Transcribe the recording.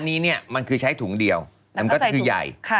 อันนี้มันคือใช้ถุงเดียวแล้วก็คือใหญ่